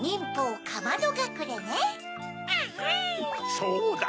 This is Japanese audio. そうだ！